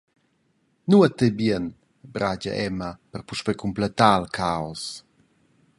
«Nuot ei bien», bragia Emma puspei per cumpletar il caos.